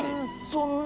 そんな。